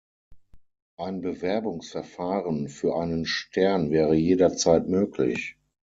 Ein Bewerbungsverfahren für einen Stern wäre jederzeit möglich.